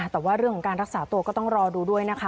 แต่ว่าเรื่องของการรักษาตัวก็ต้องรอดูด้วยนะคะ